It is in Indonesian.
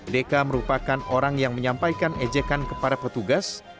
deka merupakan orang yang menyampaikan ejekan kepada petugas